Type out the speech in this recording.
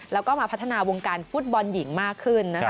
แล้วก็มาพัฒนาวงการฟุตบอลหญิงมากขึ้นนะคะ